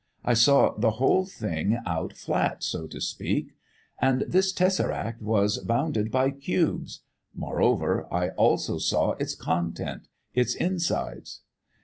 I saw the whole thing out flat, so to speak. And this tessaract was bounded by cubes! Moreover, I also saw its content its insides."